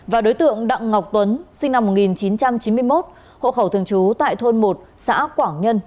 và đối tượng đặng ngọc tuấn sinh năm một nghìn chín trăm chín mươi một hộ khẩu thường trú tại thôn một xã quảng nhân